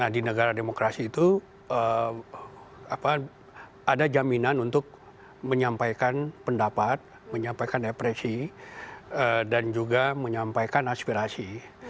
di negara demokrasi itu ada jaminan untuk menyampaikan pendapat menyampaikan depresi dan juga menyampaikan aspirasi